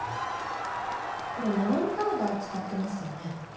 これマロンパウダー使ってますよね？